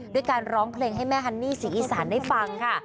ด้วยการร้องเพลงให้แม่ฮันนี่ศรีอีสานได้ฟังค่ะ